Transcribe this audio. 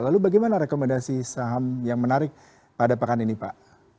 lalu bagaimana rekomendasi saham yang menarik pada pekan ini pak